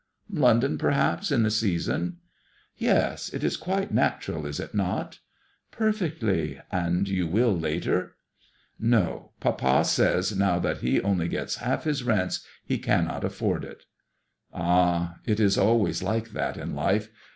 *'London, perhaps, in the season ?"^' Yes. It is quite natural, is it not ?"" Perfectly. And you will later ?"" No. Papa says now that he only gets half his rents, he cannot afford it." '^ Ah I it is always like that in life.